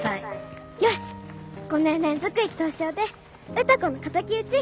よし５年連続１等賞で歌子の敵討ち！